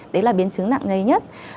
đấy là biến chứng nặng ngây nhất